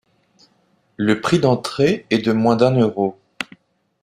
Le prix d'entrée est de moins d'un euro.